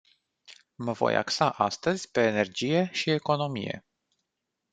Mă voi axa astăzi pe energie și economie.